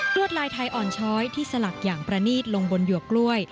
วดลายไทยอ่อนช้อยที่สลักอย่างประนีตลงบนหยวกกล้วย